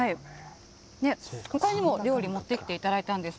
ほかにも料理持ってきていただいたんです。